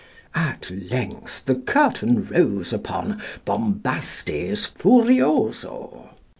At length the curtain rose upon 'Bombastes Furioso.'